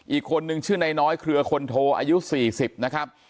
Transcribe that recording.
อีกคนนึงชื่อนายน้อยเครือคนโทอายุ๔๐นะครับ